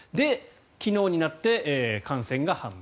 昨日になって感染が判明。